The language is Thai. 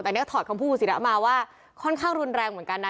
อ่ะแต่นี่ก็ถอดคำพูสิละมาว่าค่อนข้างรุนแรงเหมือนกันน่ะ